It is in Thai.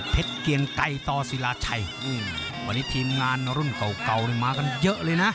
เกียงไกรต่อศิลาชัยวันนี้ทีมงานรุ่นเก่ามากันเยอะเลยนะ